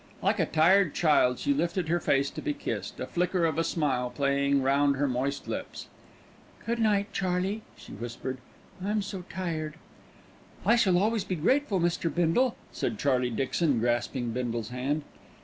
Like a tired child she lifted her face to be kissed, a flicker of a smile playing round her moist lips. "Good night, Charlie," she whispered. "I'm so tired." "I shall always be grateful, Mr. Bindle," said Charlie Dixon, grasping Bindle's hand.